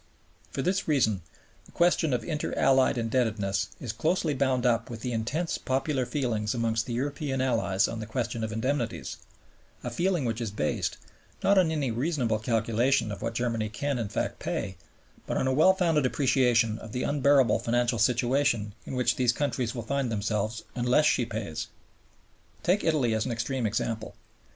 For this reason the question of Inter Allied indebtedness is closely bound up with the intense popular feeling amongst the European Allies on the question of indemnities, a feeling which is based, not on any reasonable calculation of what Germany can, in fact, pay, but on a well founded appreciation of the unbearable financial situation in which these countries will find themselves unless she pays. Take Italy as an extreme example.